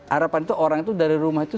harapan itu orang itu dari rumah itu